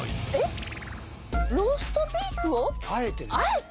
えっ？